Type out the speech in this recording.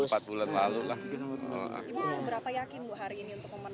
ibu seberapa yakin bu hari ini untuk memenangkan ini